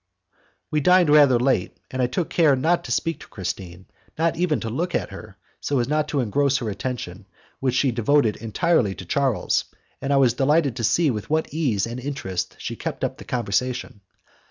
We dined rather late, and I took care not to speak to Christine, not even to look at her, so as not to engross her attention, which she devoted entirely to Charles, and I was delighted to see with what ease and interest she kept up the conversation.